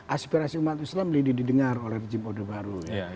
aspirasi umat islam didengar oleh hizmi udhbaru ya